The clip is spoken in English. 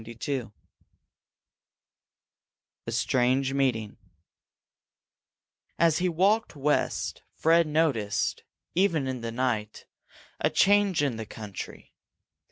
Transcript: CHAPTER III A STRANGE MEETING As he walked west Fred noticed, even in the night, a change in the country.